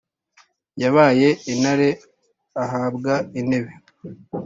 yabaye intare ahabwa intebe